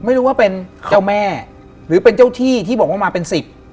ไม่รู้ว่าเป็นเจ้าแม่หรือเป็นเจ้าที่ที่บอกว่ามาเป็นสิบ